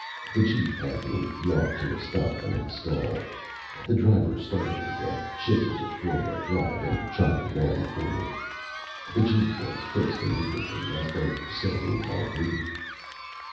The jeep had been yanked to a stop and had stalled. The driver started it again, shifted to four wheel drive, and tried to ram forward. The jeep was fixed immovably, as though set in concrete.